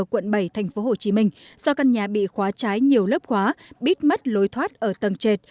quận bảy tp hcm do căn nhà bị khóa trái nhiều lớp khóa bít mất lối thoát ở tầng trệt